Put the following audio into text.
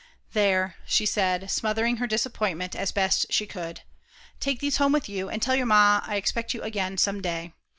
"There," she said, smothering her disappointment as best she could, "take these home with you, and tell your Ma I expect you again, some day.